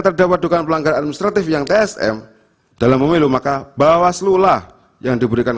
terdapat dukaan pelanggaran administratif yang tsm dalam memilu maka bahwa selulah yang diberikan